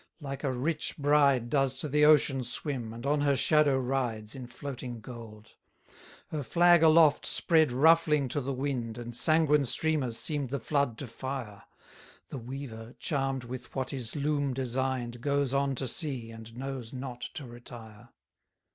Like a rich bride does to the ocean swim, And on her shadow rides in floating gold. 152 Her flag aloft spread ruffling to the wind, And sanguine streamers seem the flood to fire; The weaver, charm'd with what his loom design'd, Goes on to sea, and knows not to retire.